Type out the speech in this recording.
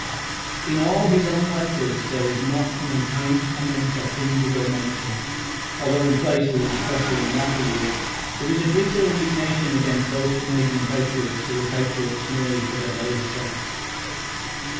In all his own letters there is not an unkind comment or tinge of ill nature, although in places, especially in later years, there is bitter indignation against those Canadian patriots who were patriots merely for their bellies' sake.